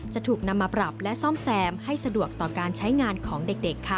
จะถูกนำมาปรับและซ่อมแซมให้สะดวกต่อการใช้งานของเด็กค่ะ